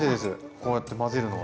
こうやって混ぜるのは。